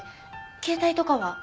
携帯とかは？